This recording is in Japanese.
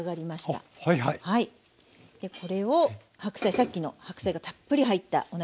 でこれをさっきの白菜がたっぷり入ったお鍋